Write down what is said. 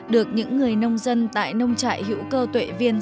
được những người nông dân tại nông trại hữu cơ tuệ viên